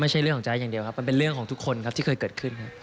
ไม่ใช่เรื่องของใจอย่างเดียวครับมันเป็นเรื่องของทุกคนครับที่เคยเกิดขึ้นครับ